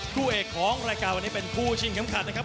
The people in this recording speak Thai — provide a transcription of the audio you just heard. คู่เอกของรายการวันนี้เป็นคู่ชิงเข็มขัดนะครับ